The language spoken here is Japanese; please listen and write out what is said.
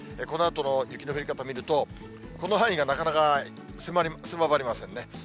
このあとの雪の降り方見ると、この範囲がなかなか狭まりませんね。